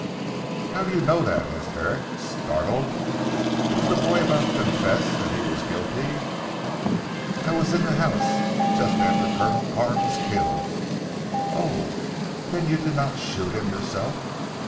"How do you know that?" asked Herrick startled. Was the boy about to confess that he was guilty. "I was in the house just after Colonel Carr was killed." "Oh! Then you did not shoot him yourself?"